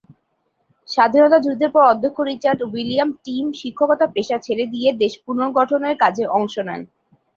স্বাধীনতা যুদ্ধের পর অধ্যক্ষ রিচার্ড উইলিয়াম টিম শিক্ষকতা পেশা ছেড়ে দিয়ে দেশ পুনর্গঠনের কাজে অংশ নেন।